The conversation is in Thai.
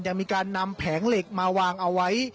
ยังมีการนำแผงเหล็กมาวางเอาไว้